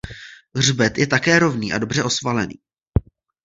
Hřbet je také rovný a dobře osvalený.